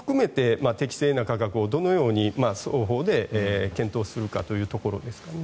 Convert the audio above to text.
そこも含めて適正な価格をどのように双方で検討するかということですね。